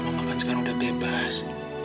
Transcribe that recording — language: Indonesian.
mama kan sekarang udah bebas